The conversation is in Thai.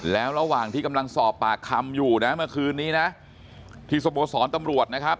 แล้วระหว่างที่กำลังสอบปากคำอยู่นะเมื่อคืนนี้นะที่สโมสรตำรวจนะครับ